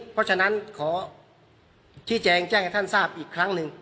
เพราะฉะนั้นขอชี้แจงแจ้งให้ท่านทราบอีกครั้งหนึ่ง